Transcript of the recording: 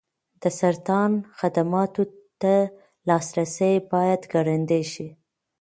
د سرطان خدماتو ته لاسرسی باید ګړندی شي.